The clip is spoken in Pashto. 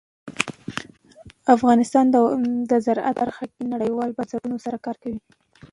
افغانستان د زراعت په برخه کې نړیوالو بنسټونو سره کار کوي.